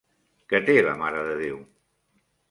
Què té la Mare de Déu?